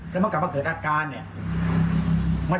แล้วมันกลับมาเกิดอาการเนี่ย